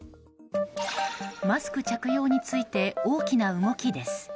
マスク着用について大きな動きです。